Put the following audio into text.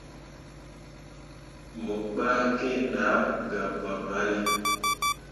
Mo ɓah kiŋ dah gah babane.